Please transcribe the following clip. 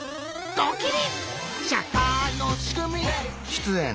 ドキリ！